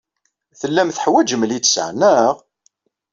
Tellam teḥwajem littseɛ, naɣ?